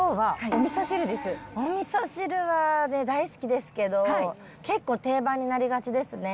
おみそ汁は大好きですけど、結構定番になりがちですね。